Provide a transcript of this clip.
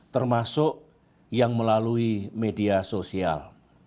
termasuk yang melalui media sosial